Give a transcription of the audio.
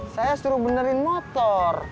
saya suruh benerin motor